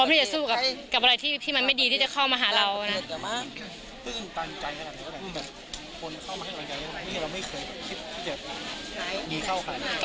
เนี่ยครั้งแรกที่เราเหลือเชื่อมาก